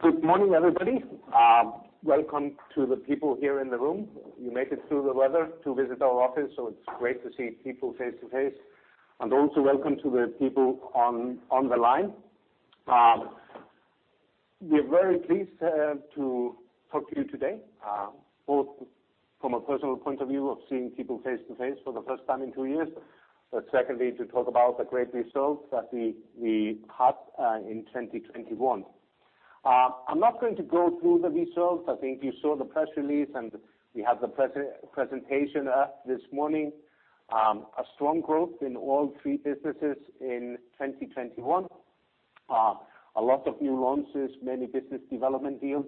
Good morning, everybody. Welcome to the people here in the room. You made it through the weather to visit our office, so it's great to see people face to face. Also welcome to the people on the line. We are very pleased to talk to you today, both from a personal point of view of seeing people face to face for the first time in two years, but secondly, to talk about the great results that we had in 2021. I'm not going to go through the results. I think you saw the press release, and we have the presentation this morning. A strong growth in all three businesses in 2021. A lot of new launches, many business development deals.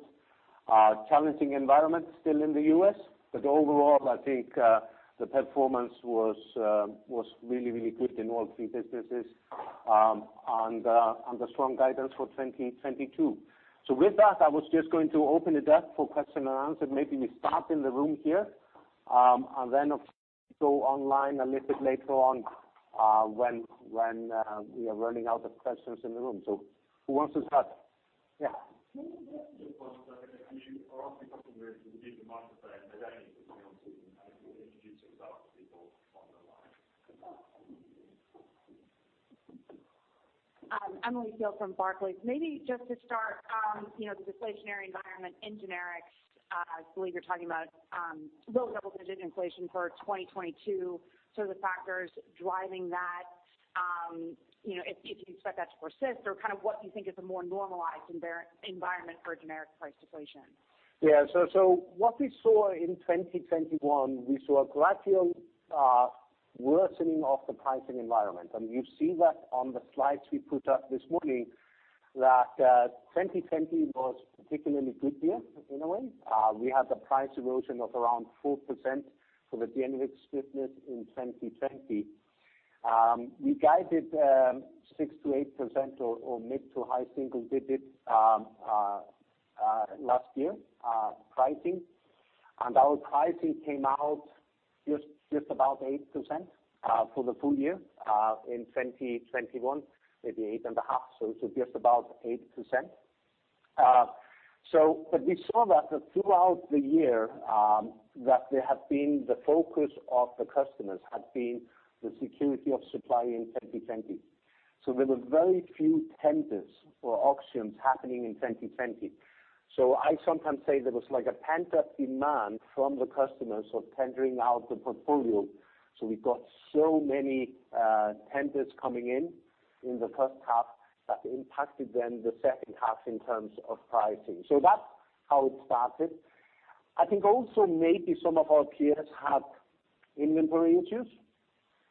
Challenging environment still in the U.S., but overall, I think, the performance was really good in all three businesses, and a strong guidance for 2022. With that, I was just going to open it up for question and answer. Maybe we start in the room here, and then go online a little bit later on, when we are running out of questions in the room. Who wants to start? Yeah. Emily Field from Barclays. Maybe just to start, you know, the deflationary environment in generics, I believe you're talking about, low double-digit inflation for 2022. The factors driving that, you know, if you expect that to persist or kind of what you think is a more normalized environment for a generic price deflation. Yeah. What we saw in 2021 was a gradual worsening of the pricing environment. You see that on the slides we put up this morning, that 2020 was particularly good year in a way. We had the price erosion of around 4% for the generics business in 2020. We guided 6%-8% or mid to high single digits last year pricing. Our pricing came out just about 8% for the full year in 2021, maybe 8.5%, so it was just about 8%. We saw that throughout the year, that the focus of the customers had been the security of supply in 2020. There were very few tenders or auctions happening in 2020. I sometimes say there was like a pent-up demand from the customers of tendering out the portfolio. We got so many tenders coming in in the first half that impacted then the second half in terms of pricing. That's how it started. I think also maybe some of our peers had inventory issues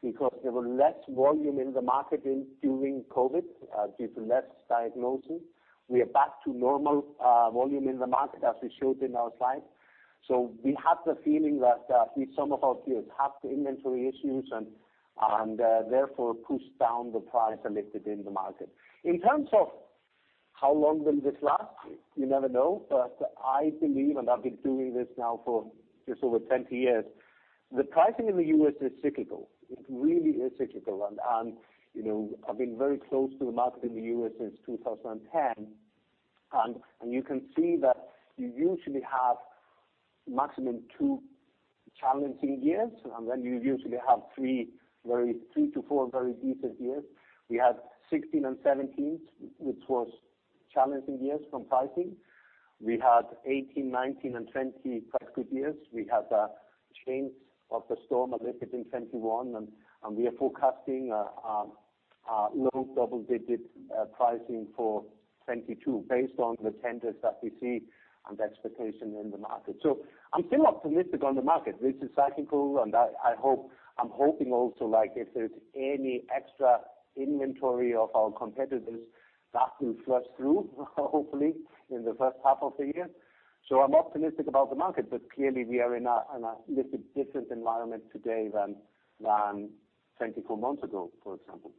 because there were less volume in the market during COVID due to less diagnoses. We are back to normal volume in the market as we showed in our slides. We have the feeling that at least some of our peers have inventory issues and therefore pushed down the price a little bit in the market. In terms of how long will this last, you never know. I believe, and I've been doing this now for just over 20 years, the pricing in the U.S. is cyclical. It really is cyclical. You know, I've been very close to the market in the U.S. since 2010. You can see that you usually have maximum two challenging years, and then you usually have three to four very decent years. We had 2016 and 2017, which was challenging years from pricing. We had 2018, 2019 and 2020 quite good years. We had a change of the storm a little bit in 2021. We are forecasting low double-digit pricing for 2022 based on the tenders that we see and expectation in the market. I'm still optimistic on the market. This is cyclical, and I hope, I'm hoping also like if there's any extra inventory of our competitors, that will flush through hopefully in the first half of the year. I'm optimistic about the market, but clearly we are in a little bit different environment today than 24 months ago, for example.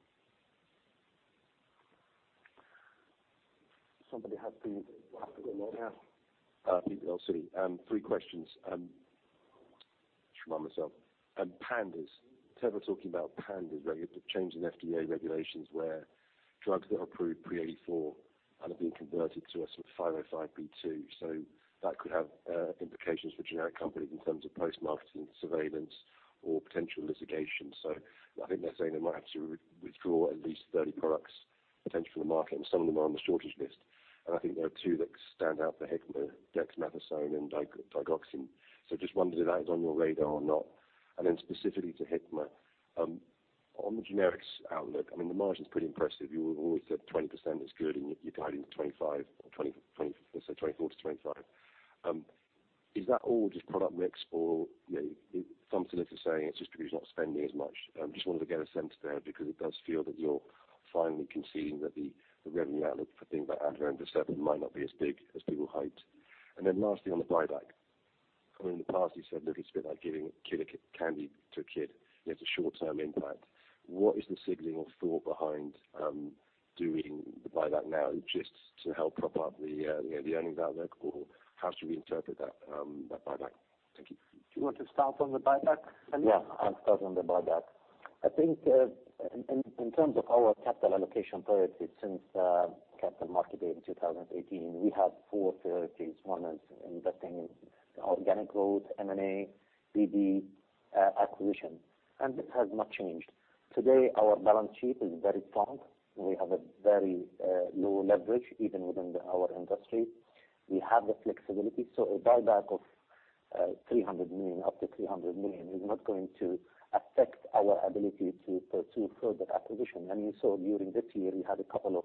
Somebody has to go now. Peter Verdult, Citi. Three questions. Just remind myself. PANDAS. Teva talking about PANDAS, right? The change in FDA regulations where drugs that are approved pre-1984 and are being converted to a sort of 505(b)(2). That could have implications for generic companies in terms of post-marketing surveillance or potential litigation. I think they're saying they might have to withdraw at least 30 products potentially from the market, and some of them are on the shortage list. I think there are two that stand out for Hikma, dexamethasone and digoxin. Just wondering if that is on your radar or not. Then specifically to Hikma, on the generics outlook, I mean the margin's pretty impressive. You always said 20% is good and you're guiding to 25%, or 20%, so 24%-25%. Is that all just product mix or, you know, some analysts are saying it's just because you're not spending as much. Just wanted to get a sense there because it does feel that you're finally conceding that the revenue outlook for things like Advair and Vascepa might not be as big as people hyped. Then lastly, on the buyback. I mean, in the past you said, look, it's a bit like giving a kid candy to a kid, and it's a short-term impact. What is the signaling or thought behind doing the buyback now? Just to help prop up the, you know, the earnings outlook, or how should we interpret that buyback? Thank you. Do you want to start on the buyback, Khalid? Yeah, I'll start on the buyback. I think, in terms of our capital allocation priorities since the Capital Markets Day in 2018, we have four priorities. One is investing in organic growth, M&A, BD, acquisition, and this has not changed. Today, our balance sheet is very strong. We have a very low leverage, even within our industry. We have the flexibility, so a buyback of $300 million, up to $300 million is not going to affect our ability to pursue further acquisition. I mean, during this year, we had a couple of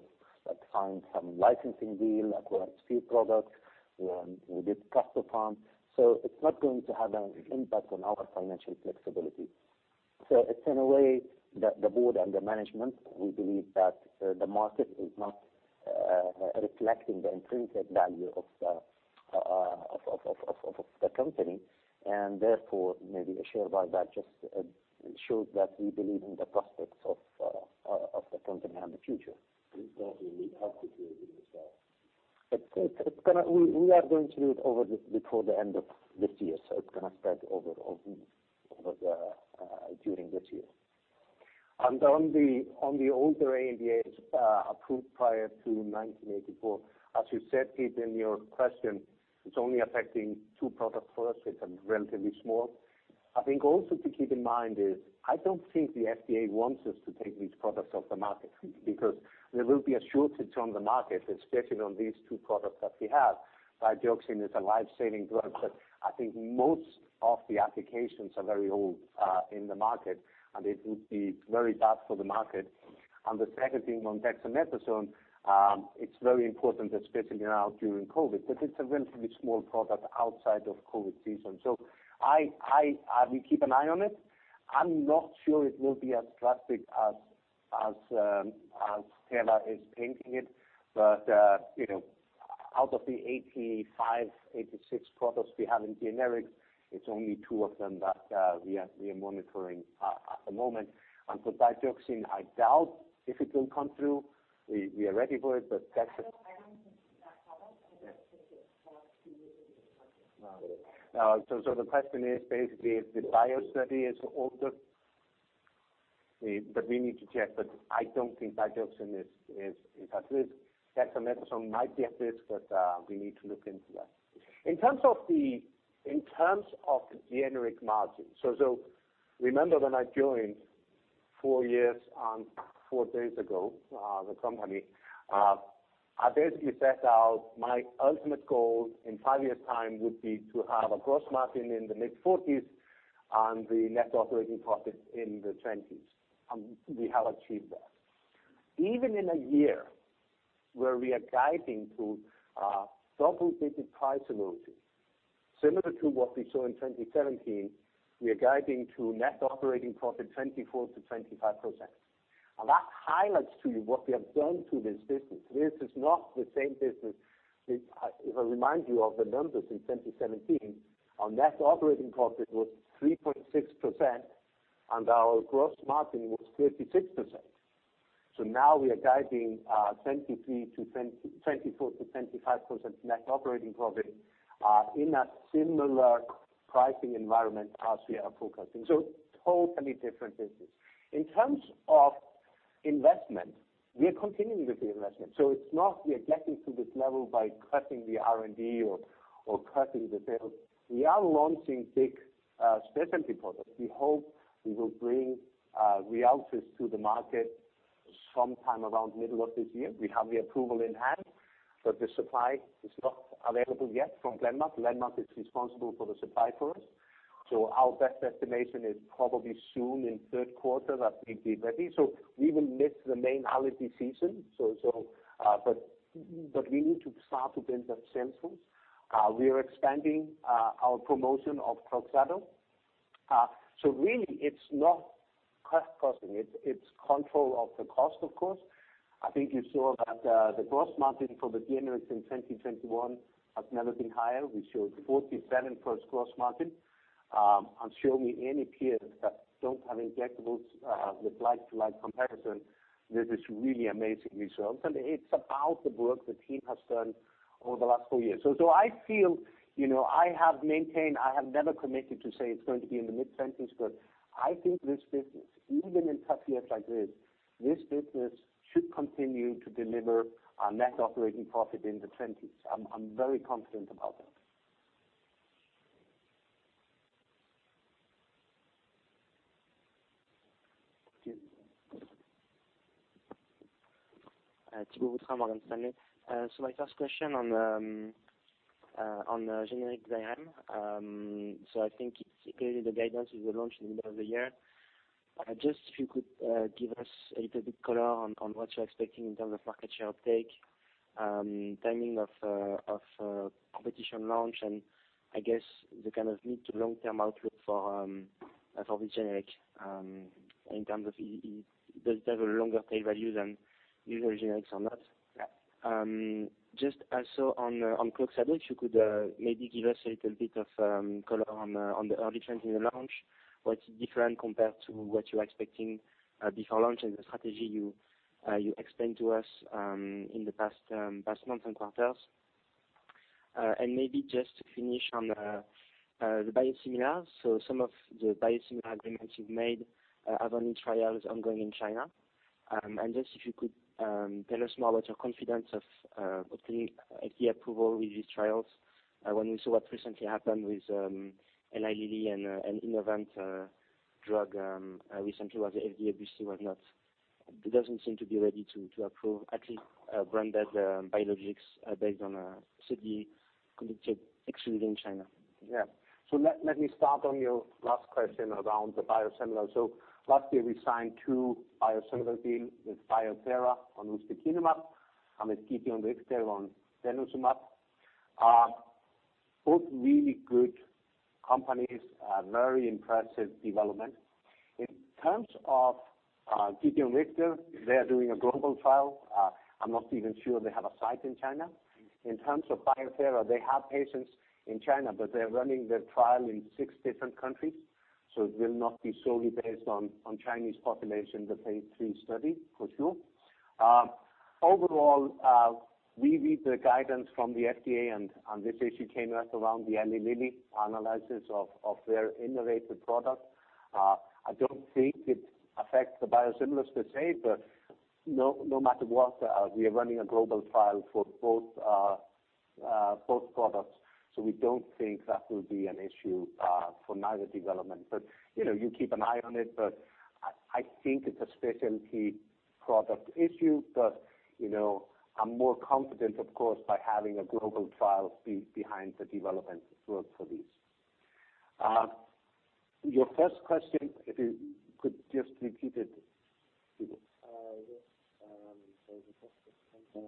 signed some licensing deal, acquired few products. We did Custopharm. It's not going to have an impact on our financial flexibility. It's in a way the board and the management, we believe that the market is not reflecting the intrinsic value of the company, and therefore, maybe a share buyback just shows that we believe in the prospects of the company and the future. When will you have to do it yourself? We are going to do it over this before the end of this year, so it's gonna spread over the during this year. On the older ADAs approved prior to 1984, as you said, Pete, in your question, it's only affecting two products for us. It's relatively small. I think also to keep in mind is I don't think the FDA wants us to take these products off the market because there will be a shortage on the market, especially on these two products that we have. Digoxin is a life-saving drug, but I think most of the applications are very old in the market, and it would be very bad for the market. The second thing on dexamethasone, it's very important, especially now during COVID, but it's a relatively small product outside of COVID season. We keep an eye on it. I'm not sure it will be as drastic as Teva is painting it. You know, out of the 85-86 products we have in generics, it's only two of them that we are monitoring at the moment. For Digoxin, I doubt if it will come through. We are ready for it, but that's. I don't think that's how it is. I don't think it's how it's gonna be. No, so the question is basically if the bio study is older. We need to check, but I don't think digoxin is at risk. Dexamethasone might be at risk, but we need to look into that. In terms of generic margin, so remember when I joined four years and four days ago, the company, I basically set out my ultimate goal in five years' time would be to have a gross margin in the mid-40s and the net operating profit in the 20s. We have achieved that. Even in a year where we are guiding to a double-digit price erosion, similar to what we saw in 2017, we are guiding to net operating profit 24%-25%. That highlights to you what we have done to this business. This is not the same business. If I remind you of the numbers in 2017, our net operating profit was 3.6%, and our gross margin was 36%. Now we are guiding 23% to, 24%-25% net operating profit in a similar pricing environment as we are forecasting. Totally different business. In terms of investment, we are continuing with the investment, so it's not we are getting to this level by cutting the R&D or cutting the sales. We are launching big specialty products. We hope we will bring Ryaltris to the market sometime around middle of this year. We have the approval in hand, but the supply is not available yet from Glenmark. Glenmark is responsible for the supply for us. Our best estimation is probably soon in third quarter that we'd be ready. We will miss the main allergy season. We need to start to build up samples. We are expanding our promotion of Kloxxado. Really, it's not cost cutting. It's control of the cost, of course. I think you saw that the gross margin for the generics in 2021 has never been higher. We showed 47% gross margin. Show me any peers that don't have injectables with like-for-like comparison. This is really amazing results, and it's about the work the team has done over the last four years. I feel, you know, I have maintained, I have never committed to say it's going to be in the mid-20s, but I think this business, even in tough years like this business should continue to deliver a net operating profit in the 20s. I'm very confident about that. Thibault Boutherin, Berenberg. My first question on the generic Xyrem. I think it's clearly the guidance with the launch in the middle of the year. Just if you could give us a little bit color on what you're expecting in terms of market share uptake, timing of competition launch, and I guess the kind of mid- to long-term outlook for the generic in terms of does it have a longer pay value than usual generics or not? Yeah. Just also on Kloxxado, if you could maybe give us a little bit of color on the early trends in the launch, what's different compared to what you were expecting before launch and the strategy you explained to us in the past months and quarters. Maybe just to finish on the biosimilar. Some of the biosimilar agreements you've made have only trials ongoing in China. Just if you could tell us more about your confidence of obtaining FDA approval with these trials, when we saw what recently happened with Eli Lilly and Innovent drug recently where the FDA basically doesn't seem to be ready to approve at least branded biologics based on a study conducted exclusively in China. Let me start on your last question around the biosimilar. Last year we signed two biosimilar deals with Bio-Thera on ustekinumab and with Gedeon Richter on denosumab. Both really good companies, very impressive development. In terms of Gedeon Richter, they're doing a global trial. I'm not even sure they have a site in China. In terms of Bio-Thera, they have patients in China, but they're running their trial in six different countries, so it will not be solely based on Chinese population, the phase III study for sure. Overall, we read the guidance from the FDA and on this issue came right around the Eli Lilly analysis of their Innovent product. I don't think it affects the biosimilars per se, but no matter what, we are running a global trial for both products. We don't think that will be an issue for neither development. You know, you keep an eye on it, but I think it's a specialty product issue. You know, I'm more confident of course, by having a global trial behind the development for these. Your first question, if you could just repeat it, please. Yes.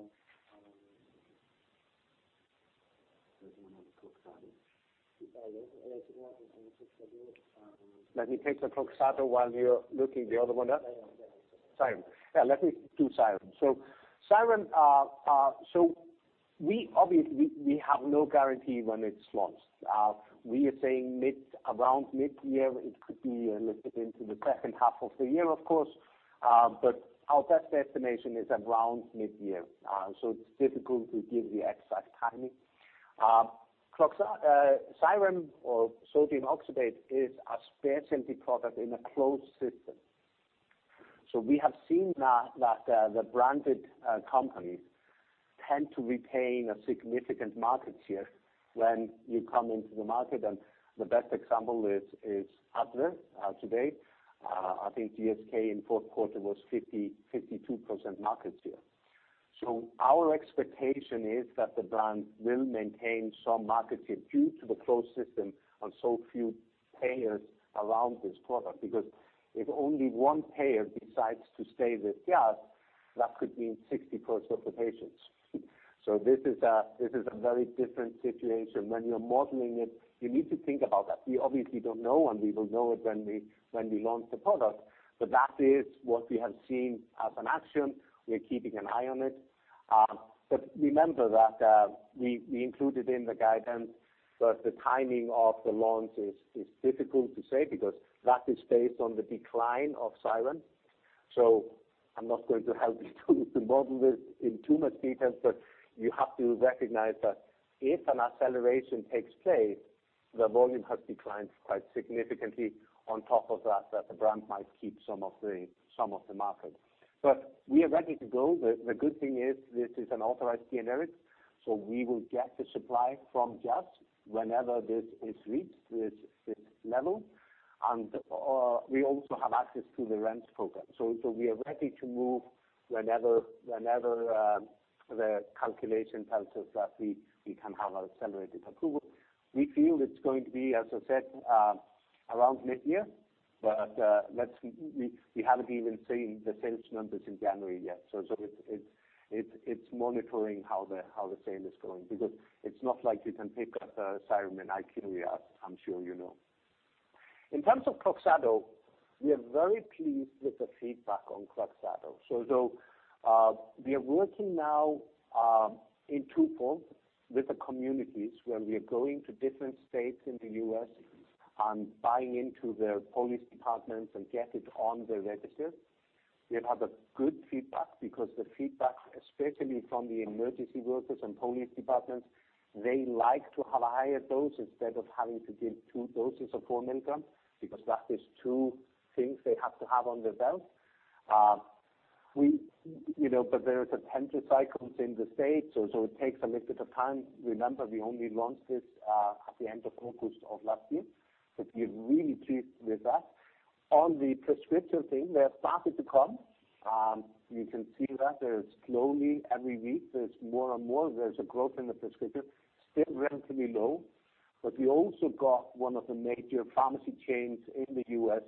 The first question. Let me take the Kloxxado while you're looking the other one up. Yeah, yeah. Sorry. Yeah, let me do Xyrem. Xyrem, we obviously have no guarantee when it's launched. We are saying around midyear. It could be a little bit into the second half of the year of course. But our best estimation is around mid-year. It's difficult to give the exact timing. Xyrem or sodium oxybate is a specialty product in a closed system. We have seen now that the branded companies tend to retain a significant market share when you come into the market and the best example is Advair. Today, I think GSK in fourth quarter was 52% market share. Our expectation is that the brand will maintain some market share due to the closed system on so few payers around this product. Because if only one payer decides to stay with Jazz, that could mean 60% of the patients. This is a very different situation. When you're modeling it, you need to think about that. We obviously don't know, and we will know it when we launch the product. That is what we have seen as an action. We are keeping an eye on it. Remember that we included in the guidance that the timing of the launch is difficult to say because that is based on the decline of Xyrem. I'm not going to help you to model this in too much detail, but you have to recognize that if an acceleration takes place, the volume has declined quite significantly on top of that, the brand might keep some of the market. We are ready to go. The good thing is this is an authorized generic, so we will get the supply from Jazz whenever this is reached, this level. We also have access to the REMS program. We are ready to move whenever the calculation tells us that we can have an accelerated approval. We feel it's going to be, as I said, around mid-year, but we haven't even seen the sales numbers in January yet. It's monitoring how the sale is going because it's not like you can pick up Xyrem in IQVIA, I'm sure you know. In terms of Kloxxado, we are very pleased with the feedback on Kloxxado. Though, we are working now in two forms with the communities where we are going to different states in the U.S. and buying into their police departments and get it on the register. We have had a good feedback because the feedback, especially from the emergency workers and police departments, they like to have a higher dose instead of having to give two doses of 4 mg because that is two things they have to have on their belt. We, you know, but there is a tender cycles in the state, so it takes a little bit of time. Remember, we only launched this at the end of August of last year, but we're really pleased with that. On the prescription thing, they have started to come. You can see that there's slowly every week more and more, there's a growth in the prescription, still relatively low. We also got one of the major pharmacy chains in the U.S.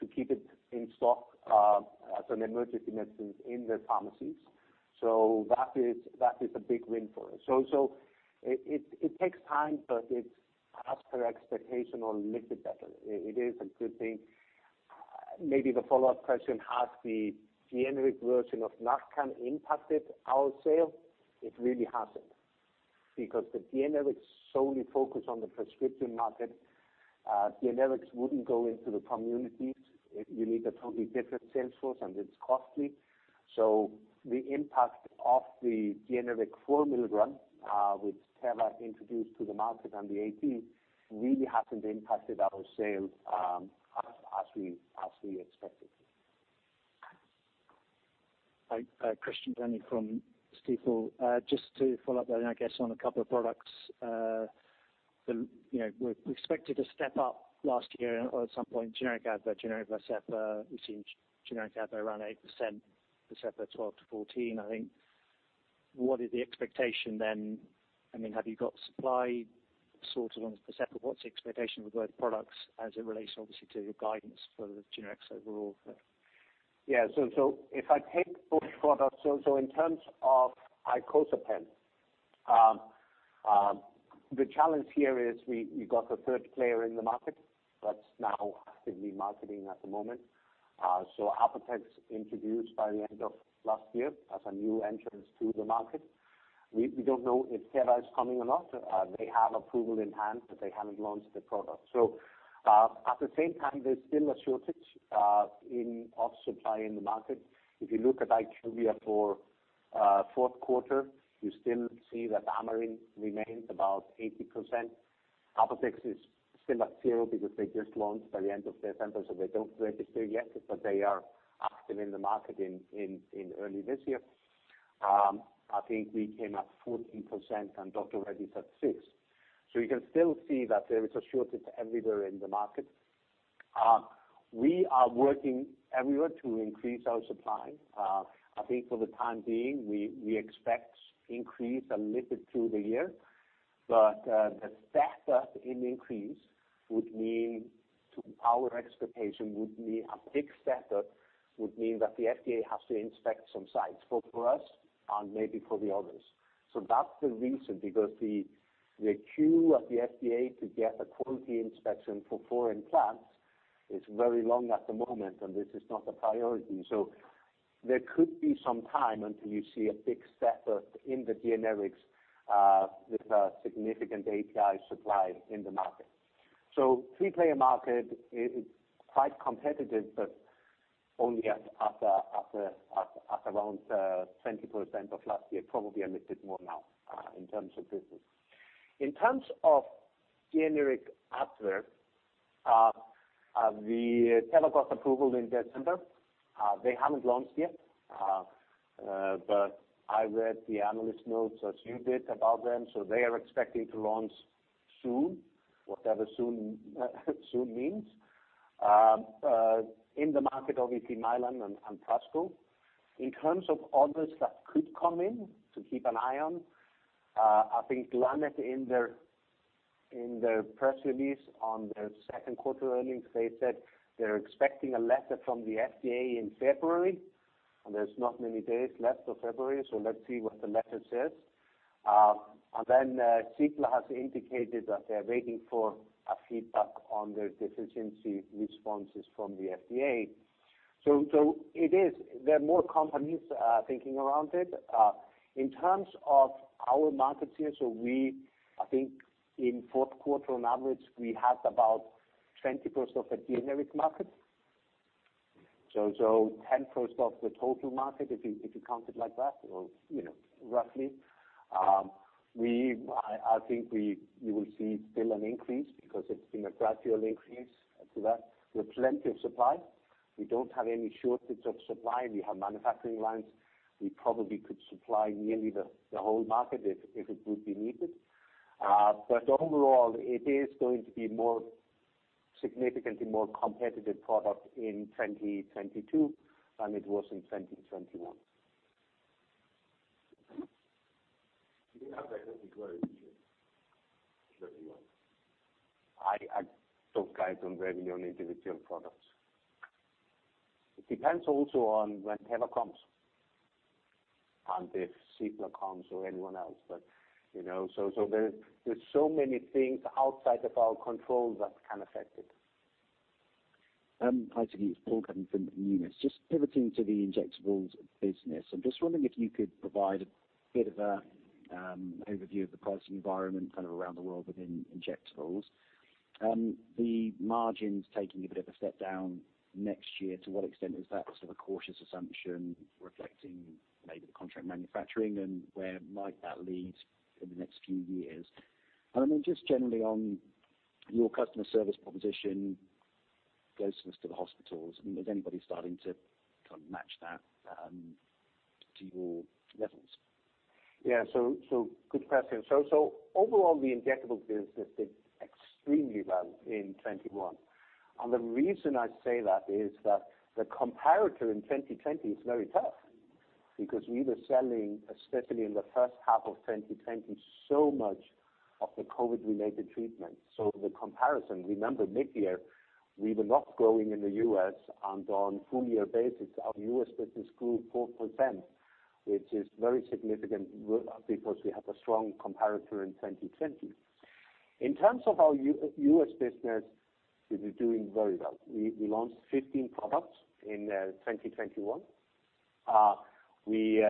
to keep it in stock, as an emergency medicine in their pharmacies. That is a big win for us. It takes time, but it's as per expectation or a little bit better. It is a good thing. Maybe the follow-up question, has the generic version of Narcan impacted our sales? It really hasn't because the generic solely focuses on the prescription market. Generics wouldn't go into the communities. You need a totally different sales force, and it's costly. The impact of the generic 4 mg, which Teva introduced to the market and that really hasn't impacted our sales as we expected. Hi, Christian Glennie from Stifel. Just to follow up then I guess on a couple of products. You know, we expected a step up last year or at some point generic Advair, generic Vascepa. We've seen generic Advair around 8%, Vascepa 12%-14%, I think. What is the expectation then? I mean, have you got supply sorted on Vascepa? What's the expectation with both products as it relates obviously to your guidance for the generics overall? If I take both products, in terms of icosapent, the challenge here is we got a third player in the market that's now actively marketing at the moment. Apotex introduced by the end of last year as a new entrant to the market. We don't know if Teva is coming or not. They have approval in hand, but they haven't launched the product. At the same time, there's still a shortage of supply in the market. If you look at IQVIA for fourth quarter, you still see that Amarin remains about 80%. Apotex is still at 0% because they just launched by the end of December, so they don't register yet, but they are active in the market in early this year. I think we came up 14% and Dr. Reddy's at 6%. You can still see that there is a shortage everywhere in the market. We are working everywhere to increase our supply. I think for the time being, we expect increase a little bit through the year. The factor in increase would mean to our expectation that the FDA has to inspect some sites both for us and maybe for the others. That's the reason because the queue of the FDA to get a quality inspection for foreign plants is very long at the moment, and this is not a priority. There could be some time until you see a big step-up in the generics with a significant API supply in the market. Three-player market is quite competitive, but only around 20% of last year, probably a little bit more now, in terms of business. In terms of generic Advair, the Teva got approval in December. They haven't launched yet. I read the analyst notes as you did about them, so they are expecting to launch soon, whatever soon means. In the market obviously Mylan and Prasco. In terms of others that could come in to keep an eye on, I think Lannett in their press release on their second quarter earnings, they said they're expecting a letter from the FDA in February, and there's not many days left of February, so let's see what the letter says. Cipla has indicated that they're waiting for feedback on their deficiency responses from the FDA. It is. There are more companies thinking about it. In terms of our market share, I think in fourth quarter on average, we had about 20% of the generic market. 10% of the total market, if you count it like that or, you know, roughly. I think you will see still an increase because it's been a gradual increase to that. We have plenty of supply. We don't have any shortage of supply. We have manufacturing lines. We probably could supply nearly the whole market if it would be needed. Overall, it is going to be significantly more competitive product in 2022 than it was in 2021. Do you think Advair will grow this year, in 2021? I don't guide on really on individual products. It depends also on when Teva comes and if Cipla comes or anyone else. You know, so there's so many things outside of our control that can affect it. Hi, Siggi. It's Paul Cuddon from Numis. Just pivoting to the injectables business. I'm just wondering if you could provide a bit of a overview of the pricing environment kind of around the world within injectables. The margins taking a bit of a step down next year, to what extent is that sort of a cautious assumption reflecting maybe the contract manufacturing and where might that lead in the next few years? I mean, just generally on your customer service proposition, closeness to the hospitals, I mean, is anybody starting to kind of match that to your levels? Yeah. Good question. Overall, the injectable business did extremely well in 2021. The reason I say that is that the comparator in 2020 is very tough because we were selling, especially in the first half of 2020, so much of the COVID-related treatment. The comparison, remember mid-year, we were not growing in the U.S. and on full year basis, our U.S. business grew 4%, which is very significant because we have a strong comparator in 2020. In terms of our U.S. business, we've been doing very well. We launched 15 products in 2021. We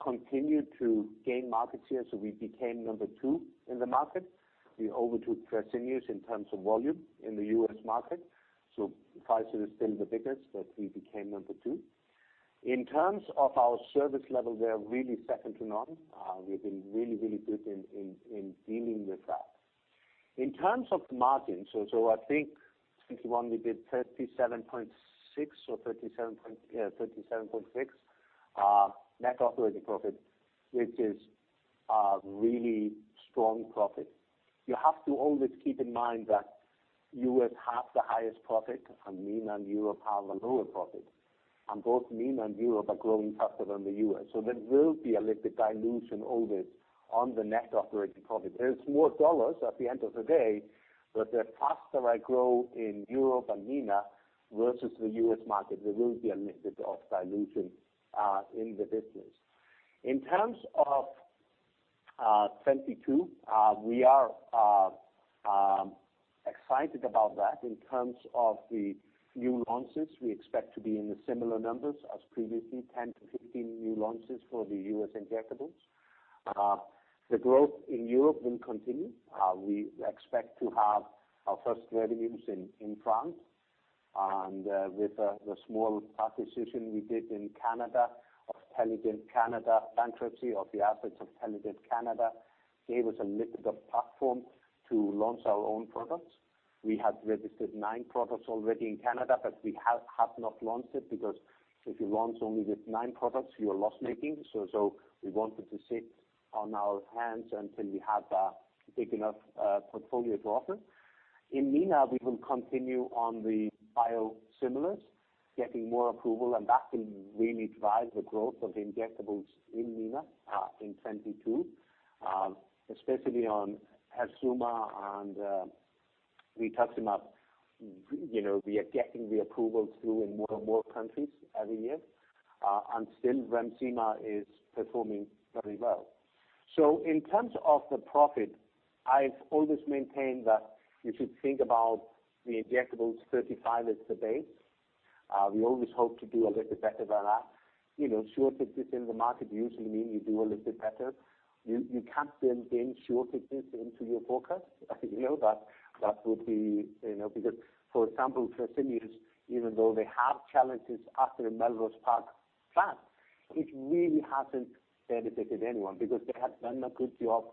continued to gain market share, so we became number two in the market. We overtook Fresenius in terms of volume in the U.S. market. Pfizer is still the biggest, but we became number two. In terms of our service level, we are really second to none. We've been really good in dealing with that. In terms of the margin, I think 2021 we did 37.6% or 37.6%, yeah, 37.6% net operating profit, which is a really strong profit. You have to always keep in mind that U.S. has the highest profit and MENA and Europe have a lower profit. Both MENA and Europe are growing faster than the U.S. There will be a little bit dilution always on the net operating profit. There is more dollars at the end of the day, but the faster I grow in Europe and MENA versus the U.S. market, there will be a little bit of dilution in the business. In terms of 2022, we are excited about that in terms of the new launches. We expect to be in the similar numbers as previously, 10-15 new launches for the U.S. injectables. The growth in Europe will continue. We expect to have our first revenues in France. With the small acquisition we did in Canada of Teligent Canada bankruptcy of the assets of Teligent Canada, gave us a little bit of platform to launch our own products. We have registered nine products already in Canada, but we have not launched it because if you launch only with nine products, you are loss-making. We wanted to sit on our hands until we have a big enough portfolio to offer. In MENA, we will continue on the biosimilars, getting more approval, and that will really drive the growth of the injectables in MENA in 2022. Especially on Herzuma and Rituximab. You know, we are getting the approvals through in more and more countries every year. Still Remsima is performing very well. In terms of the profit, I've always maintained that you should think about the injectables 35% as the base. We always hope to do a little bit better than that. You know, shortages in the market usually mean you do a little bit better. You can't then bring shortages into your forecast, as you know, that would be, you know. For example, Fresenius, even though they have challenges after the Melrose Park plant, it really hasn't benefited anyone because they have done a good job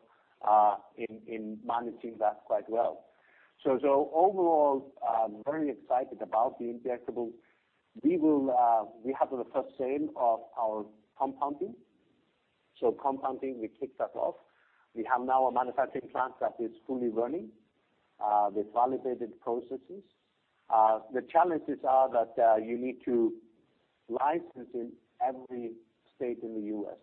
in managing that quite well. Overall, I'm very excited about the injectables. We have the first sale of our compounding. Compounding, we kicked that off. We have now a manufacturing plant that is fully running with validated processes. The challenges are that you need to license in every state in the U.S.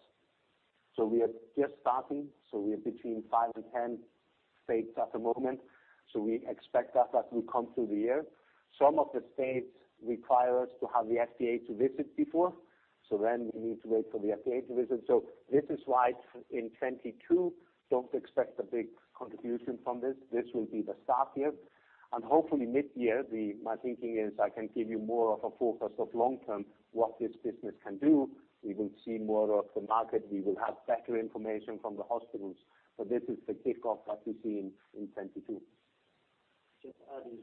We are just starting, we're between five and 10 states at the moment. We expect that will come through the year. Some of the states require us to have the FDA to visit before. We need to wait for the FDA to visit. This is why in 2022, don't expect a big contribution from this. This will be the start year. Hopefully midyear, my thinking is I can give you more of a forecast of long term, what this business can do. We will see more of the market. We will have better information from the hospitals. This is the kickoff that we see in 2022. Just adding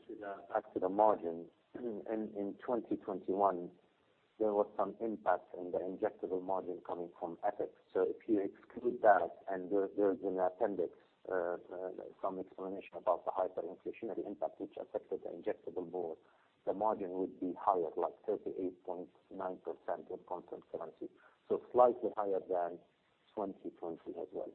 back to the margin. In 2021, there was some impact in the injectables margin coming from FX. If you exclude that, and there is an appendix some explanation about the hyperinflationary impact which affected the injectables more, the margin would be higher, like 38.9% in constant currency. Slightly higher than 2020 as well.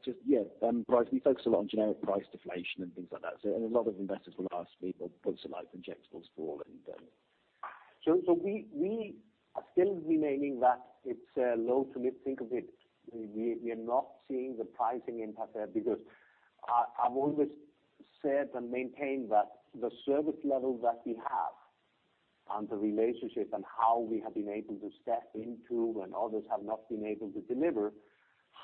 Just on that pricing environment, your typical, I think. Just, yes, we focus a lot on generic price deflation and things like that. A lot of investors will ask me, well, what's the injectables falling then? We are still remaining that it's low to mid. Think of it, we are not seeing the pricing impact there because I've always said and maintained that the service level that we have and the relationship and how we have been able to step into when others have not been able to deliver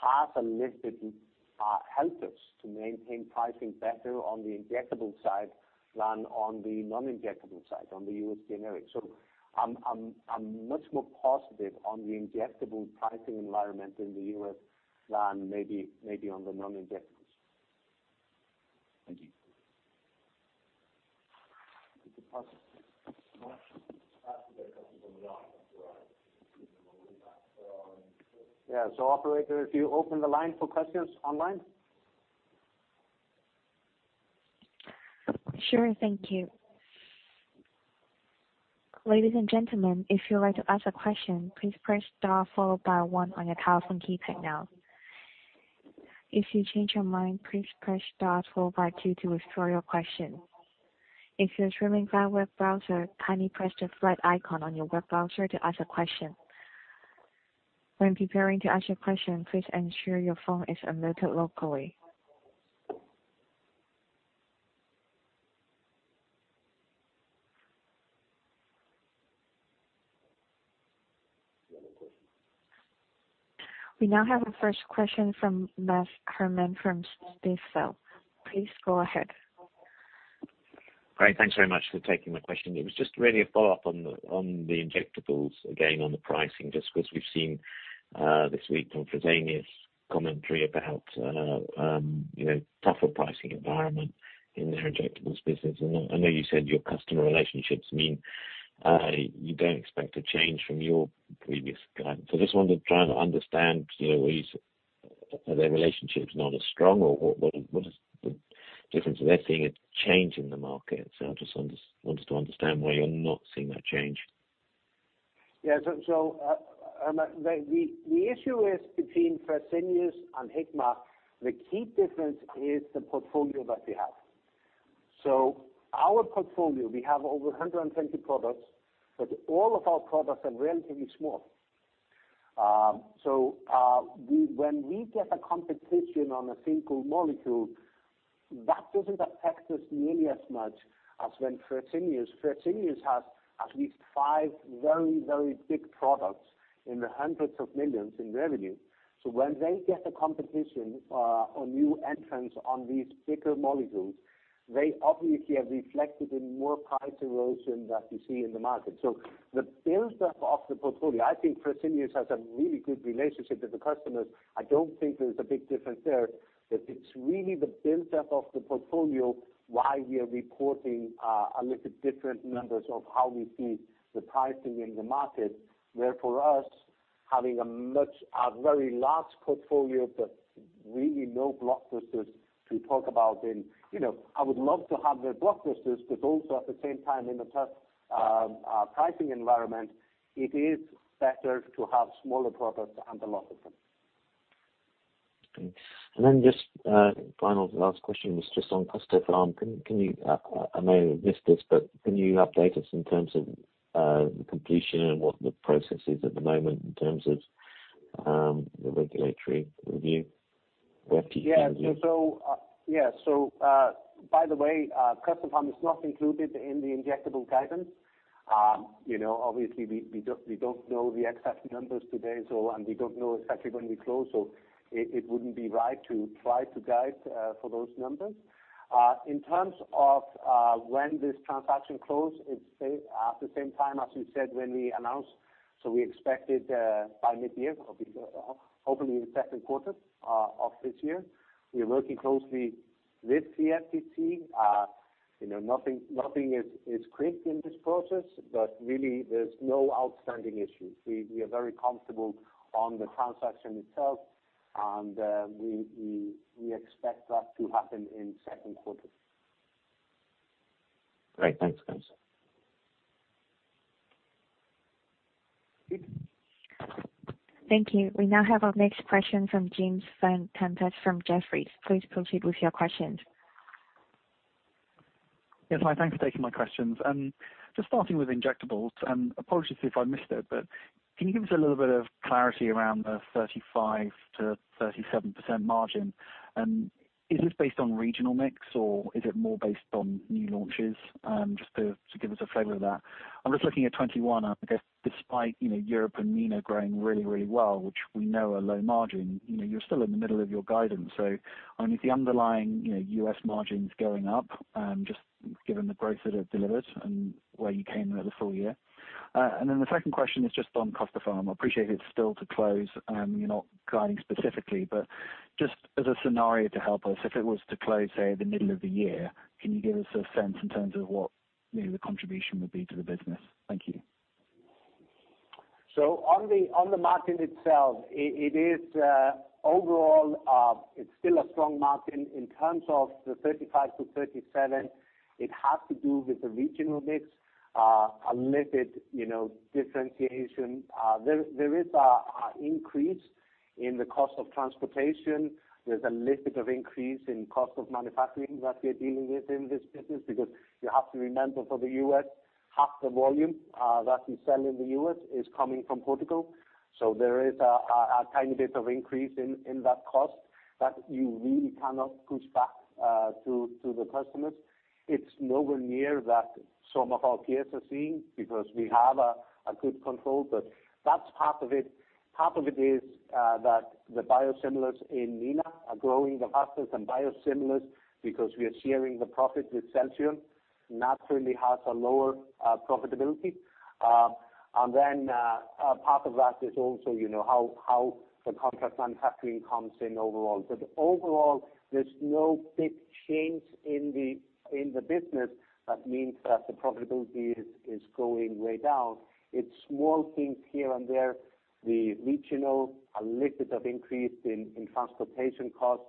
has a little bit helped us to maintain pricing better on the injectable side than on the non-injectable side, on the U.S. generics. I'm much more positive on the injectable pricing environment in the U.S. than maybe on the non-injectables. Thank you. Is it possible? Yeah. Operator, if you open the line for questions online. Sure. Thank you. Ladies and gentlemen, if you'd like to ask a question, please press star followed by one on your telephone keypad now. If you change your mind, please press star followed by two to restore your question. If you're joining via web browser, kindly press the flag icon on your web browser to ask a question. When preparing to ask your question, please ensure your phone is unmuted locally. We now have a first question from Max Herrmann from Stifel. Please go ahead. Great. Thanks very much for taking my question. It was just really a follow-up on the injectables, again, on the pricing, just 'cause we've seen this week from Fresenius commentary about you know, tougher pricing environment in their injectables business. I know you said your customer relationships mean you don't expect a change from your previous guide. Just wanted to try to understand you know, are their relationships not as strong or what is the difference they're seeing a change in the market. I just wanted to understand why you're not seeing that change. The issue is between Fresenius and Hikma, the key difference is the portfolio that we have. Our portfolio, we have over 120 products, but all of our products are relatively small. When we get a competition on a single molecule, that doesn't affect us nearly as much as when Fresenius. Fresenius has at least fve very big products in the hundreds of millions in revenue. When they get a competition or new entrants on these bigger molecules, it's obviously reflected in more price erosion that we see in the market. The build up of the portfolio, I think Fresenius has a really good relationship with the customers. I don't think there's a big difference there. It's really the build up of the portfolio why we are reporting a little different numbers of how we see the pricing in the market. Where for us, having a very large portfolio, but really no blockbusters to talk about in, you know, I would love to have their blockbusters, but also at the same time in a tough pricing environment, it is better to have smaller products and a lot of them. Just final last question was just on Custopharm. Can you, I know you've missed this, but can you update us in terms of the completion and what the process is at the moment in terms of the regulatory review? By the way, Custopharm is not included in the injectable guidance. You know, obviously we don't know the exact numbers today, and we don't know exactly when we close, so it wouldn't be right to try to guide for those numbers. In terms of when this transaction closes, it's at the same time as we said when we announced. We expected by mid-year or before, hopefully in the second quarter of this year. We are working closely with the FTC. You know, nothing is quick in this process, but really there's no outstanding issues. We are very comfortable on the transaction itself and we expect that to happen in second quarter. Great. Thanks, guys. Thank you. We now have our next question from James Vane-Tempest from Jefferies. Please proceed with your questions. Yes. Hi. Thanks for taking my questions. Just starting with injectables, apologies if I missed it, but can you give us a little bit of clarity around the 35%-37% margin? And is this based on regional mix or is it more based on new launches? Just to give us a flavor of that. I'm just looking at 2021, I guess despite, you know, Europe and MENA growing really well, which we know are low margin, you know, you're still in the middle of your guidance. I mean, if the underlying, you know, U.S. margin's going up, just given the growth that it delivered and where you came with the full year. The second question is just on Custopharm. I appreciate it's still to close, you're not guiding specifically. just as a scenario to help us, if it was to close, say, the middle of the year, can you give us a sense in terms of what, you know, the contribution would be to the business? Thank you. On the margin itself, it is overall. It's still a strong margin. In terms of the 35%-37%, it has to do with the regional mix, a little bit, you know, differentiation. There is an increase in the cost of transportation. There's a little bit of increase in cost of manufacturing that we are dealing with in this business because you have to remember for the U.S., half the volume that we sell in the U.S. is coming from Portugal. There is a tiny bit of increase in that cost that you really cannot push back to the customers. It's nowhere near that some of our peers are seeing because we have a good control. But that's part of it. Part of it is that the biosimilars in MENA are growing the fastest, and biosimilars, because we are sharing the profit with Celltrion, naturally has a lower profitability. A part of that is also, you know, how the contract manufacturing comes in overall. Overall, there's no big change in the business that means that the profitability is going way down. It's small things here and there. The regional, a little bit of increase in transportation costs,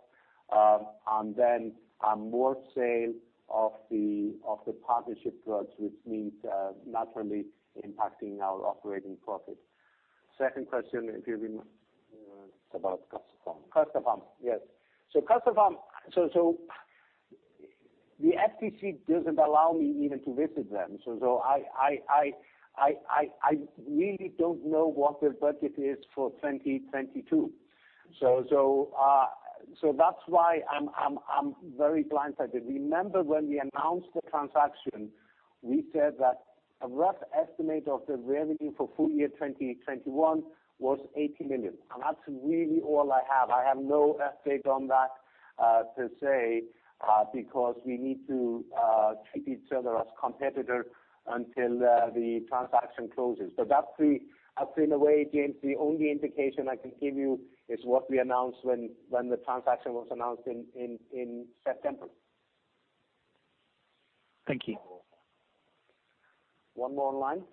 and then more sales of the partnership products, which means naturally impacting our operating profit. Second question, if you re- It's about Custopharm. Custopharm, yes. Custopharm, the FTC doesn't allow me even to visit them. I really don't know what their budget is for 2022. That's why I'm very blindsided. Remember when we announced the transaction, we said that a rough estimate of the revenue for full year 2021 was $80 million. That's really all I have. I have no update on that to say, because we need to treat each other as competitor until the transaction closes. That's in a way, James, the only indication I can give you is what we announced when the transaction was announced in September. Thank you. One more line.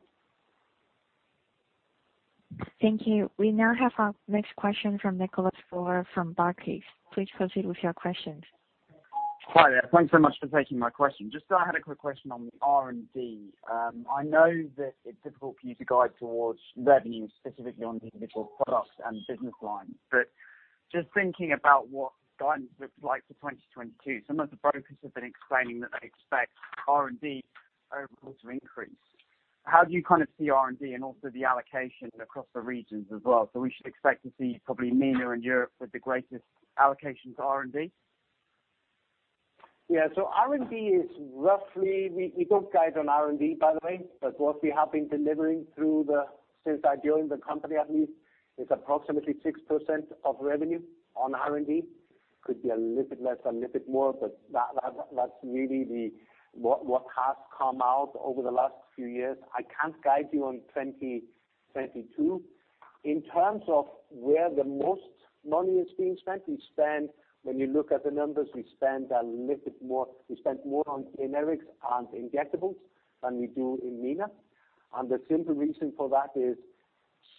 Thank you. We now have our next question from Nicholas Fowler from Barclays. Please proceed with your questions. Hi there. Thanks so much for taking my question. Just thought I had a quick question on the R&D. I know that it's difficult for you to guide towards revenue, specifically on the individual products and business lines. Just thinking about what guidance looks like for 2022, some of the brokers have been explaining that they expect R&D overall to increase. How do you kind of see R&D and also the allocation across the regions as well? We should expect to see probably MENA and Europe with the greatest allocation to R&D? Yeah. R&D is roughly. We don't guide on R&D, by the way. What we have been delivering since I joined the company, at least, is approximately 6% of revenue on R&D. Could be a little bit less, a little bit more, but that's really what has come out over the last few years. I can't guide you on 2022. In terms of where the most money is being spent, when you look at the numbers, we spend more on generics and injectables than we do in MENA. The simple reason for that is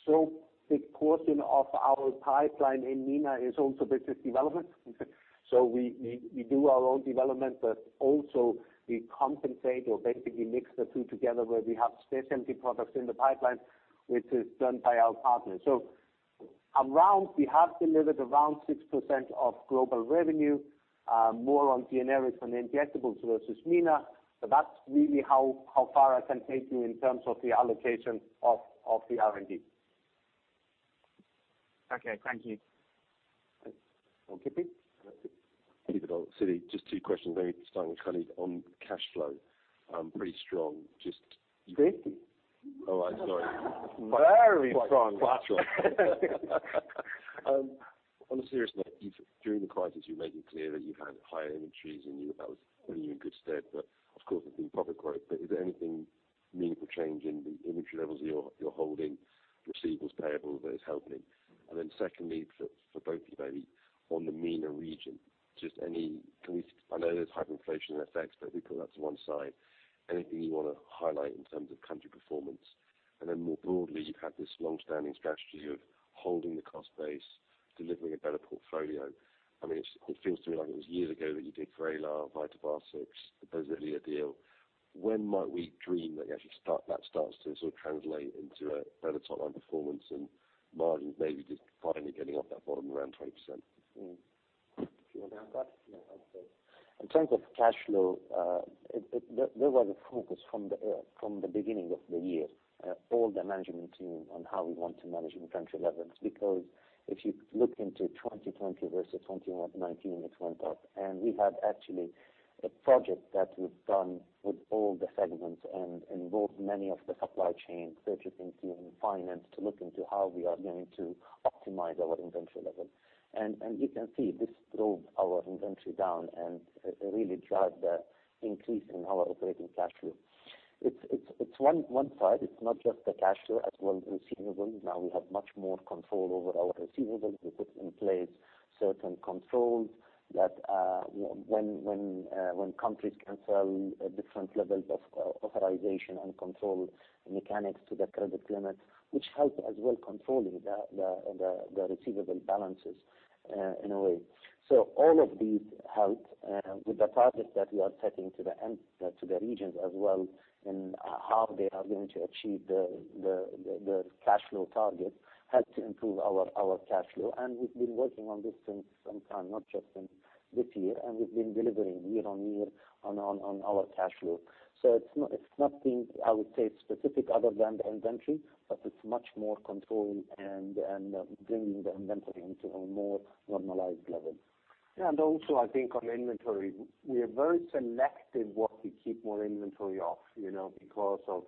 such a big portion of our pipeline in MENA is also business development. We do our own development, but also we complement or basically mix the two together, where we have specialty products in the pipeline, which is done by our partners. Around, we have delivered around 6% of global revenue, more on generics and injectables versus MENA. That's really how far I can take you in terms of the allocation of the R&D. Okay. Thank you. Okay. Peter Verdult, Citi. Just two questions, starting with Khalid on cash flow. Pretty strong. Great. Oh, I'm sorry. Very strong. Quite strong. On a serious note, you've during the quarter you were making clear that you had higher inventories and you that was putting you in good stead. But of course, there's been robust growth. But is there anything meaningful change in the inventory levels that you're holding, receivables, payables that is helping? Then secondly, for both of you maybe, on the MENA region, I know there's hyperinflation effects, but if we put that to one side, anything you wanna highlight in terms of country performance? Then more broadly, you've had this long-standing strategy of holding the cost base, delivering a better portfolio. I mean, it feels to me like it was years ago that you did Vraylar, Vitabiotics, the biosimilar deal. When might we dream that you actually that starts to sort of translate into a better top line performance and margins maybe just finally getting off that bottom around 20%? Sure. Khalid will answer. In terms of cash flow, there was a focus from the beginning of the year, all the management team on how we want to manage inventory levels. Because if you look into 2020 versus 2019, it went up. We have actually a project that we've done with all the segments and involved many of the supply chain, purchasing team, finance, to look into how we are going to optimize our inventory level. You can see this drove our inventory down and really drive the increase in our operating cash flow. It's one side. It's not just the cash flow, as well as receivables. Now we have much more control over our receivables. We put in place certain controls that, when countries cancel, different levels of authorization and control mechanics to the credit limits, which help as well controlling the receivable balances, in a way. All of these help with the targets that we are setting to the regions as well and how they are going to achieve the cash flow target, help to improve our cash flow. We've been working on this since some time, not just in this year. We've been delivering year on year on our cash flow. It's not, it's nothing I would say specific other than the inventory, but it's much more control and bringing the inventory into a more normalized level. Yeah. Also I think on inventory, we are very selective what we keep more inventory of, you know, because of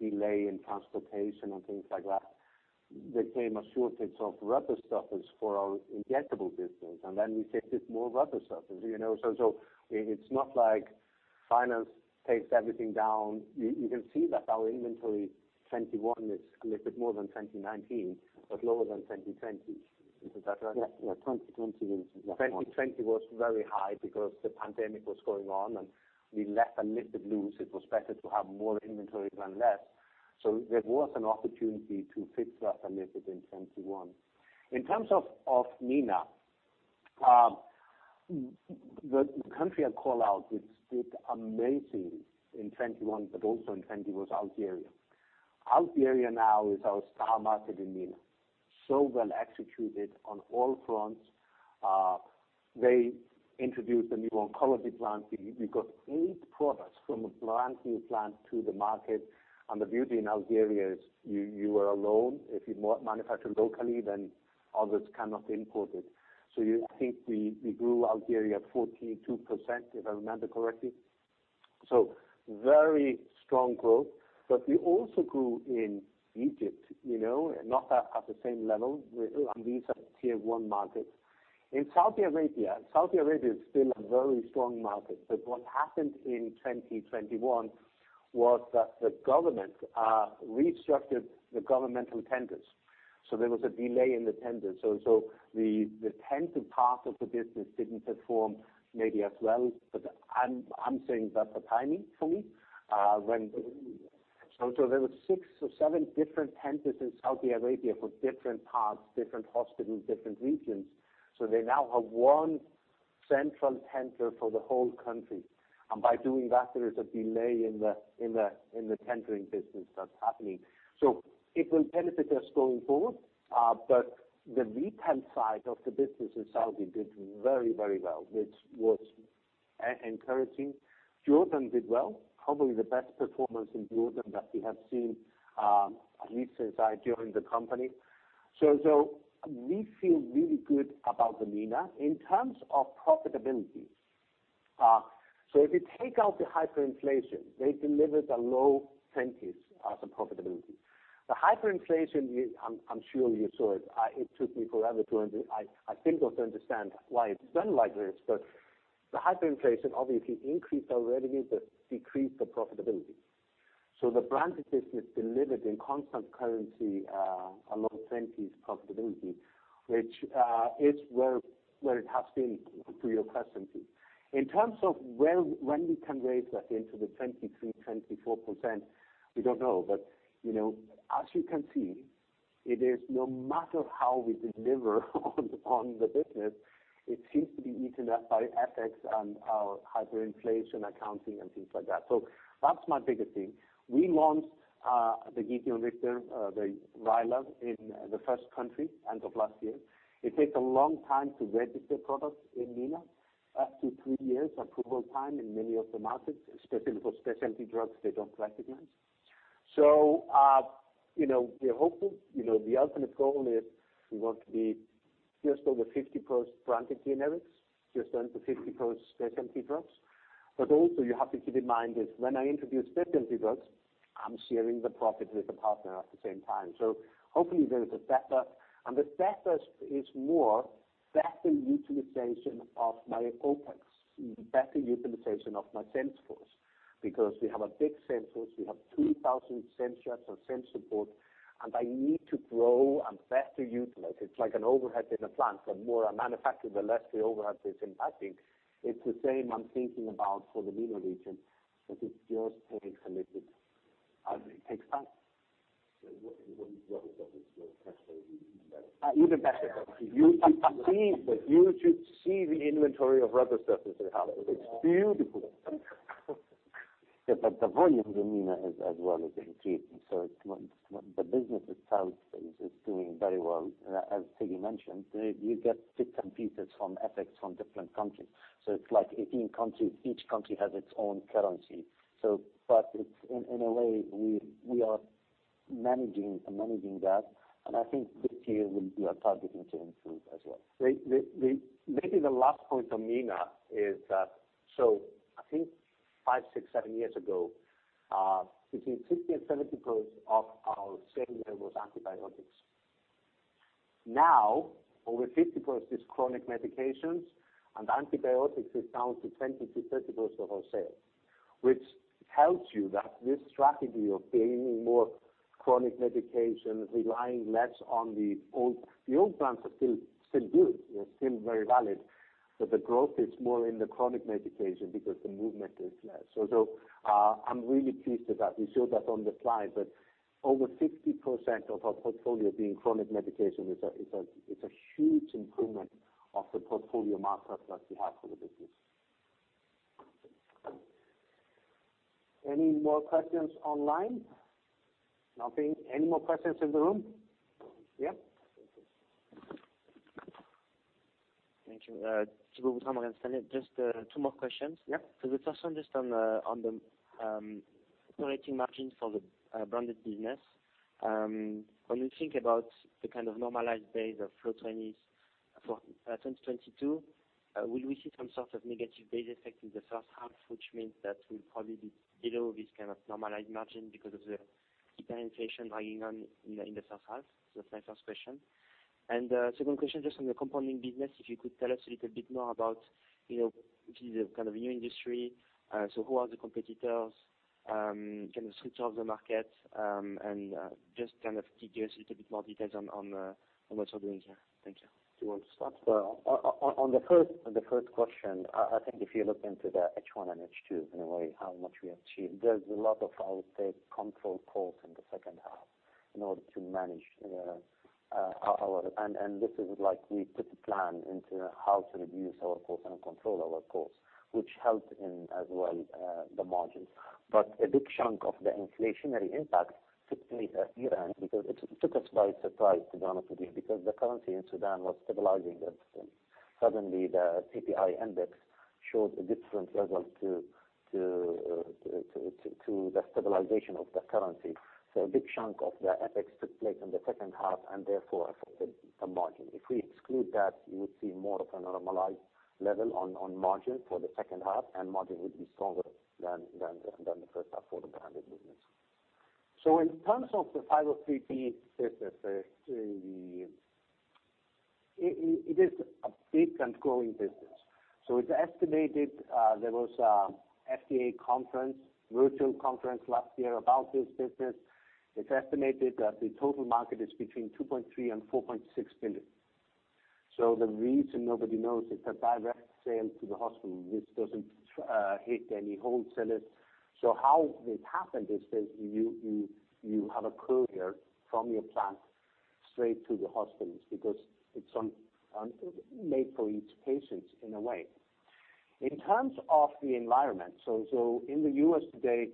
delay in transportation and things like that. The same as shortage of rubber stoppers for our injectable business, and then we shifted more rubber stoppers, you know. It’s not like finance takes everything down. You can see that our inventory 2021 is a little bit more than 2019 but lower than 2020. Is that right? Yeah. Yeah. 2020 was. 2020 was very high because the pandemic was going on and we let a little bit loose. It was better to have more inventory than less. There was an opportunity to fix that a little bit in 2021. In terms of MENA, the country I call out, which did amazing in 2021 but also in 2020 was Algeria. Algeria now is our star market in MENA. Well executed on all fronts. They introduced a new oncology plant. We got eight products from a brand new plant to the market. The beauty in Algeria is you are alone. If you manufacture locally, then others cannot import it. I think we grew Algeria 42%, if I remember correctly. Very strong growth. But we also grew in Egypt, you know, not at the same level. These are tier one markets. In Saudi Arabia, it is still a very strong market. What happened in 2021 was that the government restructured the governmental tenders, so there was a delay in the tenders. The tender part of the business didn't perform maybe as well, but I'm saying that's a timing for me. There were six or seven different tenders in Saudi Arabia for different parts, different hospitals, different regions. They now have one central tender for the whole country. By doing that, there is a delay in the tendering business that's happening. It will benefit us going forward. The retail side of the business in Saudi did very, very well, which was encouraging. Jordan did well, probably the best performance in Jordan that we have seen, at least since I joined the company. We feel really good about the MENA. In terms of profitability, if you take out the hyperinflation, they delivered a low 20s profitability. The hyperinflation, I'm sure you saw it. It took me forever to understand why it's done like this. I think, though, the hyperinflation obviously increased our revenue but decreased the profitability. The branded business delivered in constant currency a low 20s profitability, which is where it has been for years as well too. In terms of when we can raise that into the 23%-24%, we don't know. you know, as you can see, it is no matter how we deliver on the business, it seems to be eaten up by FX and hyperinflation accounting and things like that. That's my biggest thing. We launched the Gedeon Richter Ryaltris in the first country end of last year. It takes a long time to register products in MENA, up to three years approval time in many of the markets, especially for specialty drugs they don't recognize. We are hopeful. You know, the ultimate goal is we want to be just over 50% branded generics, just under 50% specialty drugs. Also you have to keep in mind is when I introduce specialty drugs, I'm sharing the profit with the partner at the same time. Hopefully there is a better Better utilization of my OpEx, better utilization of my sales force, because we have a big sales force. We have 3,000 sales reps and sales support, and I need to grow and better utilize. It's like an overhead in a plant, the more I manufacture, the less the overhead is impacting. It's the same I'm thinking about for the MENA region, but it's just taking a little bit, it takes time. What is your question even better? Even better. You should see the inventory of rubber surfaces they have. It's beautiful. Yeah, the volume in MENA as well is increasing, so it's not. The business itself is doing very well. As Siggi mentioned, you get bits and pieces from FX from different countries. It's like 18 countries, each country has its own currency. But it's in a way, we are managing that. I think this year we are targeting to improve as well. Maybe the last point on MENA is that I think five, six, seven years ago, between 50% and 70% of our sales there was antibiotics. Now, over 50% is chronic medications, and antibiotics is down to 20%-30% of our sales, which tells you that this strategy of gaining more chronic medication, relying less on the old plans are still good. They're still very valid, but the growth is more in the chronic medication because the movement is less. I'm really pleased with that. We showed that on the slide, but over 60% of our portfolio being chronic medication it's a huge improvement of the portfolio markup that we have for the business. Any more questions online? Nothing. Any more questions in the room? Yeah. Thank you. Thibault Boutherin with Berenberg. Just, two more questions. Yeah. The first one just on the operating margin for the branded business. When we think about the kind of normalized base of low-teens for 2022, will we see some sort of negative base effect in the first half, which means that we'll probably be below this kind of normalized margin because of the hyperinflation hanging on in the first half? That's my first question. Second question, just on the compounding business, if you could tell us a little bit more about, you know, this is a kind of new industry, so who are the competitors, kind of structure of the market, and just kind of could you give us a little bit more details on what you're doing here. Thank you. Do you want to start? Well, on the first question, I think if you look into the H1 and H2, in a way, how much we have achieved. There's a lot of, I would say, cost controls in the second half in order to manage our costs. This is like we put a plan into how to reduce our costs and control our costs, which helped, as well, the margins. But a big chunk of the inflationary impact took place at year-end because it took us by surprise, to be honest with you, because the currency in Sudan was stabilizing, but suddenly the CPI index. Showed a different level to the stabilization of the currency. A big chunk of the FX took place in the second half and therefore affected the margin. If we exclude that, you would see more of a normalized level on margin for the second half, and margin would be stronger than the first half for the branded business. In terms of the 503(b) business, it is a big and growing business. It's estimated there was an FDA conference, virtual conference last year about this business. It's estimated that the total market is between $2.3 billion and $4.6 billion. The reason nobody knows is the direct sale to the hospital, which doesn't hit any wholesalers. How it happened is that you have a courier from your plant straight to the hospitals because it's made for each patient in a way. In terms of the environment, in the U.S. today,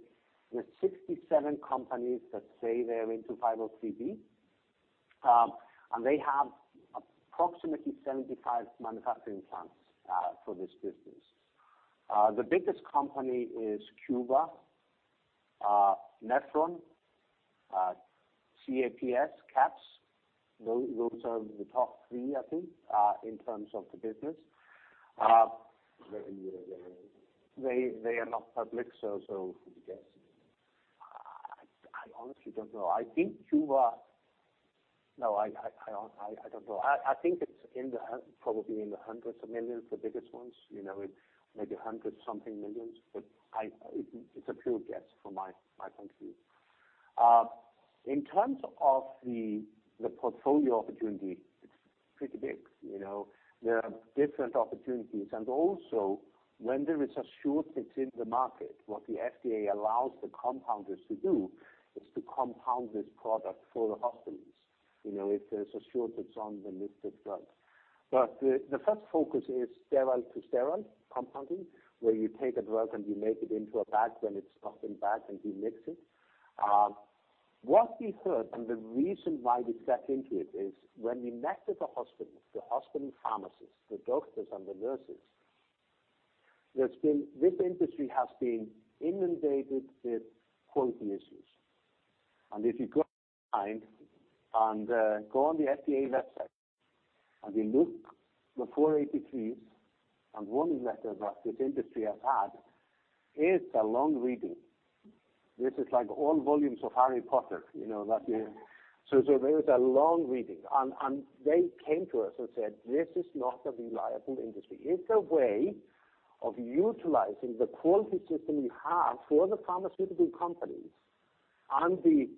there are 67 companies that say they're into 503(b). They have approximately 75 manufacturing plants for this business. The biggest company is QuVa, Nephron, CAPS. Those are the top three, I think, in terms of the business. Maybe you have any- They are not public, so It's a guess. I honestly don't know. I think it's probably in the hundreds of millions, the biggest ones. You know, it's maybe 100-something millions, but it's a pure guess from my point of view. In terms of the portfolio opportunity, it's pretty big. You know, there are different opportunities. Also, when there is a shortage in the market, what the FDA allows the compounders to do is to compound this product for the hospitals, you know, if there's a shortage on the listed drug. The first focus is sterile to sterile compounding, where you take a drug and you make it into a bag when it's often bagged, and you mix it. What we heard, and the reason why we got into it, is when we met with the hospitals, the hospital pharmacists, the doctors and the nurses, this industry has been inundated with quality issues. If you go online and go on the FDA website, and you look at the 483s and warning letters that this industry has had, it's a long reading. This is like all volumes of Harry Potter, you know. There is a long reading. They came to us and said, "This is not a reliable industry." It's a way of utilizing the quality system we have for the pharmaceutical companies and the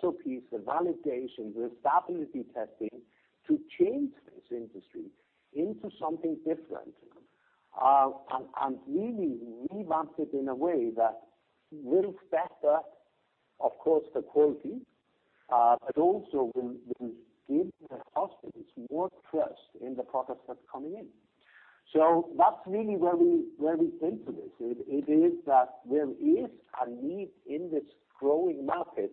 SOPs, the validation, the stability testing to change this industry into something different. Really revamp it in a way that will better the quality, but also will give the hospitals more trust in the products that's coming in. That's really where we came to this. There is a need in this growing market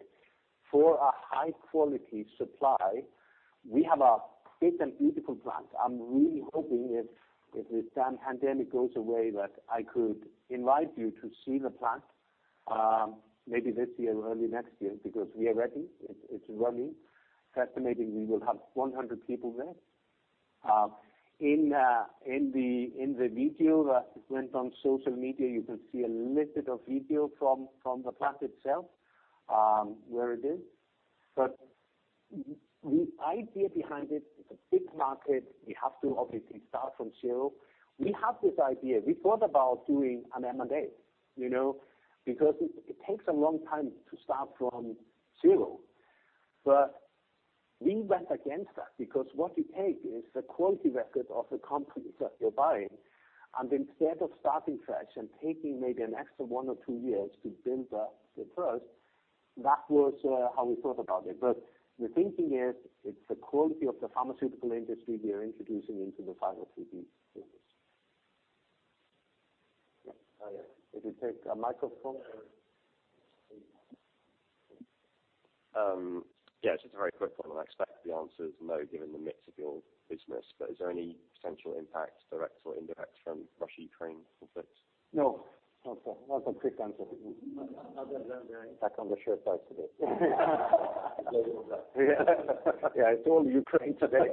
for a high-quality supply. We have a big and beautiful plant. I'm really hoping if this damn pandemic goes away, that I could invite you to see the plant, maybe this year or early next year, because we are ready. It's running. It's estimating we will have 100 people there. In the video that went on social media, you could see a little bit of video from the plant itself, where it is. The idea behind it's a big market. We have to obviously start from zero. We have this idea. We thought about doing an M&A, you know, because it takes a long time to start from zero. We went against that because what you take is the quality record of the companies that you're buying, and instead of starting fresh and taking maybe an extra one or two years to build up the trust, that was how we thought about it. The thinking is it's the quality of the pharmaceutical industry we are introducing into the 503(b) business. Yeah. Oh, yeah. If you take a microphone or. Yeah, just a very quick one. I expect the answer is no, given the mix of your business. Is there any potential impact, direct or indirect, from Russia-Ukraine conflicts? No. That's a quick answer. Other than that. Back on the short side today. Yeah, you're back. Yeah. It's all Ukraine today.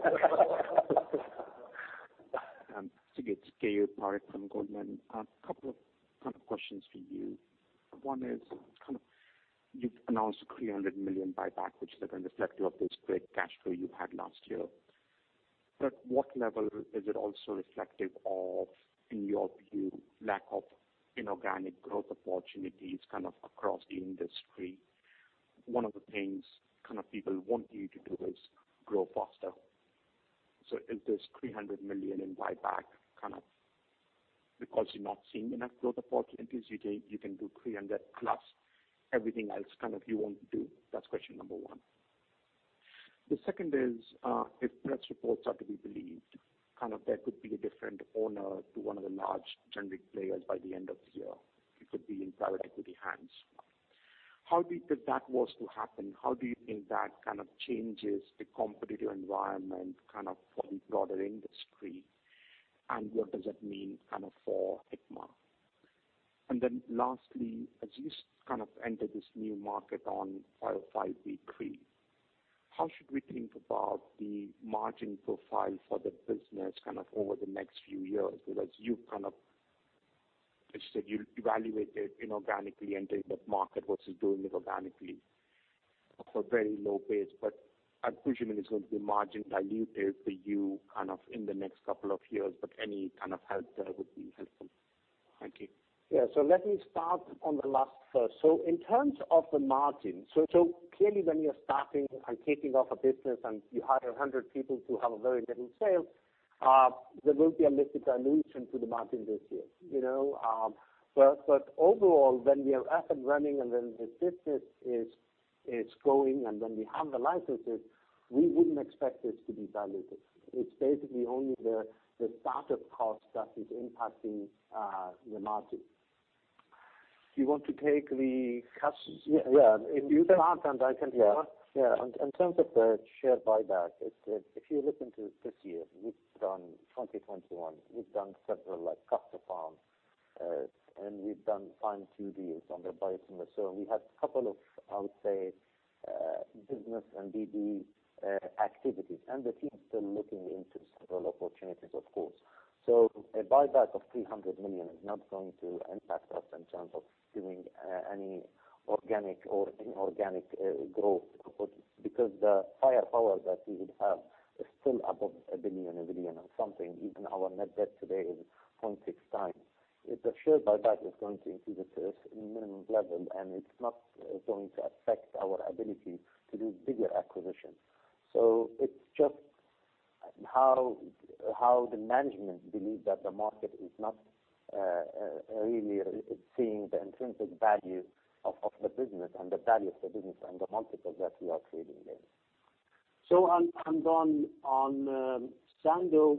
Siggi, it's Keyur Parekh from Goldman. A couple of kind of questions for you. One is kind of you've announced $300 million buyback, which is kind of reflective of this great cash flow you had last year. What level is it also reflective of, in your view, lack of inorganic growth opportunities kind of across the industry? One of the things kind of people want you to do is grow faster. Is this $300 million in buyback kind of because you're not seeing enough growth opportunities? You can do $300 million plus everything else kind of you want to do. That's question number one. The second is, if press reports are to be believed, kind of there could be a different owner to one of the large generic players by the end of the year. It could be in private equity hands. How big if that was to happen, how do you think that kind of changes the competitive environment kind of for the broader industry? What does it mean kind of for Hikma? Lastly, as you kind of enter this new market on 505(b)(3) how should we think about the margin profile for the business kind of over the next few years? Because you've kind of, as you said, you evaluated inorganically entering that market versus doing it organically for a very low base. I presume it is going to be margin dilutive for you kind of in the next couple of years, but any kind of help there would be helpful. Thank you. Yeah. Let me start on the last first. In terms of the margin, clearly when you're starting and kicking off a business and you hire 100 people who have very little sales, there will be a little dilution to the margin this year, you know. But overall, when we are up and running and when the business is growing and when we have the licenses, we wouldn't expect this to be diluted. It's basically only the startup cost that is impacting the margin. Do you want to take the cash? Yeah. If you can't, then I can. Yeah. In terms of the share buyback, it's if you listen to this year, we've done 2021. We've done several, like, we had a couple of, I would say, business and DD activities. The team is still looking into several opportunities, of course. A buyback of $300 million is not going to impact us in terms of doing any organic or inorganic growth because the firepower that we would have is still above $1 billion, $1 billion and something. Even our net debt today is 0.6x. If the share buyback is going to increase its minimum level, and it's not going to affect our ability to do bigger acquisitions. It's just how the management believe that the market is not really seeing the intrinsic value of the business and the value of the business and the multiple that we are creating there. On Sandoz,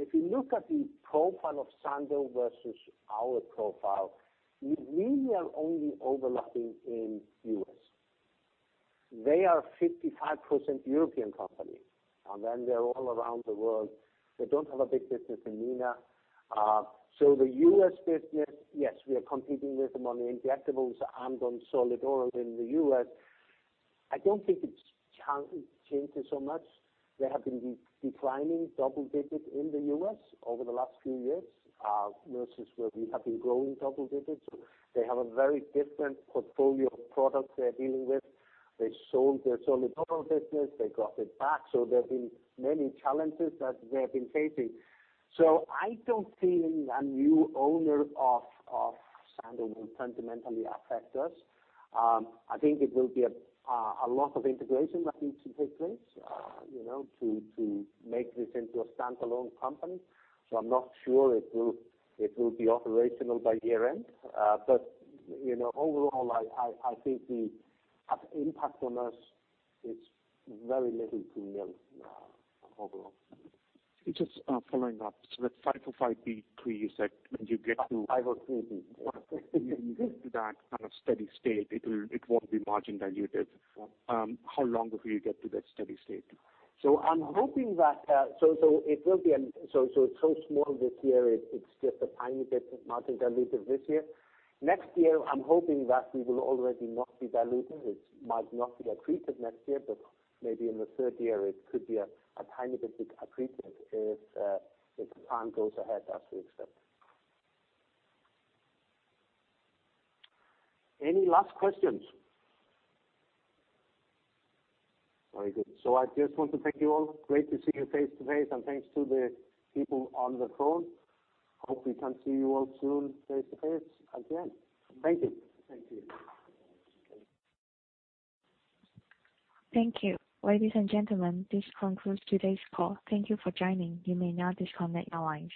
if you look at the profile of Sandoz versus our profile, we really are only overlapping in U.S. They are 55% European company, and then they're all around the world. They don't have a big business in MENA. The U.S. business, yes, we are competing with them on the injectables and on solid oral in the U.S. I don't think it's changing so much. They have been declining double digits in the U.S. over the last few years versus where we have been growing double digits. They have a very different portfolio of products they're dealing with. They sold their solid oral business. They got it back. There have been many challenges that they have been facing. I don't think a new owner of Sandoz will fundamentally affect us. I think it will be a lot of integration that needs to take place, you know, to make this into a standalone company. I'm not sure it will be operational by year-end. You know, overall, I think the impact on us, it's very little to nil, overall. Just, following up. With 505(b)(3), you said when you get to- 503(b) When you get to that kind of steady state, it won't be margin diluted. How long before you get to that steady state? I'm hoping that it will be so small this year. It's just a tiny bit of margin dilutive this year. Next year, I'm hoping that we will already not be dilutive. It might not be accretive next year, but maybe in the third year it could be a tiny bit accretive if the plan goes ahead as we expect. Any last questions? Very good. I just want to thank you all. Great to see you face to face, and thanks to the people on the phone. Hope we can see you all soon face to face again. Thank you. Thank you. Thank you. Ladies and gentlemen, this concludes today's call. Thank you for joining. You may now disconnect your lines.